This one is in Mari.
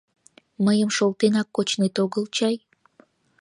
— Мыйым шолтенак кочнет огыл чай?..